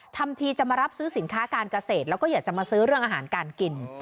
ทำทีจะมารับซื้อสินค้าการเกษตรแล้วก็อยากจะมาซื้อเรื่องอาหารการกิน